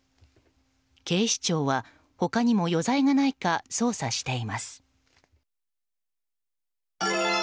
警視庁は他にも余罪がないか捜査しています。